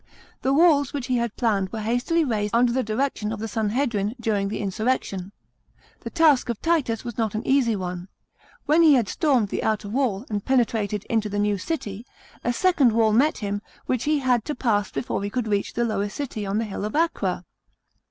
The walls which he had planned were hastily raised under the direction of the Sanhedrim during the insurrection. The task of Titus was not an easy one. When he had stormed the outer wall, and penetrated into the new city, a second wall met him wh;ch he had to pass before he could reach the lower city on the hill of Acra.